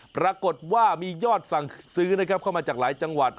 ปรากฏว่ามียอดสั่งซื้อนะครับเข้ามาจากหลายจังหวัด